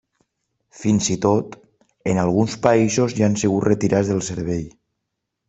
Fins i tot, en alguns països ja han sigut retirats del servei.